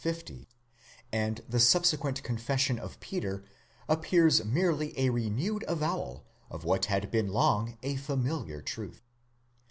50); and the subsequent confession of Peter appears merely a renewed avowal of what had been long a familiar truth.